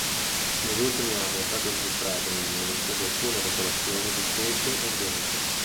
Negli ultimi anni è stato registrato un aumento di alcune popolazioni di specie endemiche.